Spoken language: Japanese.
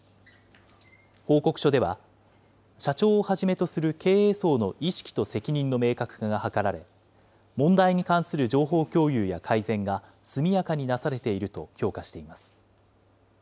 報告書では、社長をはじめとする経営層の意識と責任の明確化が図られ、問題に関する情報共有や改善が速やかになされていると評価しています。